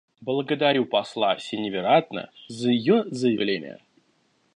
Благодарю посла Сеневиратне за ее заявление.